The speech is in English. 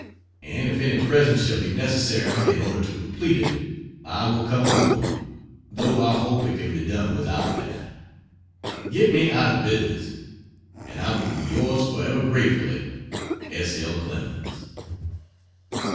And if any presence shall be necessary in order to complete it I will come over, though I hope it can be done without that. Get me out of business! And I will be yours forever gratefully, S. L. CLEMENS.